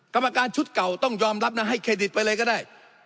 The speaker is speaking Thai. กรรมการชุดเก่าต้องยอมรับนะให้เครดิตไปเลยก็ได้